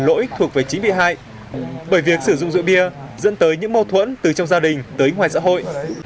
lỗi thuộc về chính bị hại bởi việc sử dụng rượu bia dẫn tới những mâu thuẫn từ trong gia đình tới ngoài xã hội